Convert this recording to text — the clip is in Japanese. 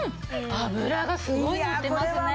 脂がすごいのってますね。